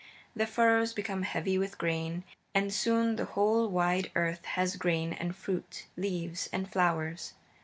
The furrows become heavy with grain, and soon the whole wide earth has grain and fruit, leaves and flowers.